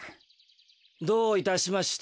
どういたしまして。